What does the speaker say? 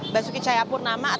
basuki cahaya purnama